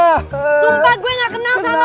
sumpah gue gak kenal sama